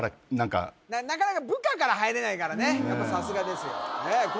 なかなか部下から入れないからねやっぱさすがですよねえ